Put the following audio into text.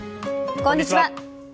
こんにちは。